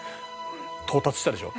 「到達したでしょ？」